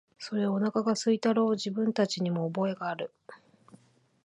それ、おなかが空いたろう、自分たちにも覚えがある、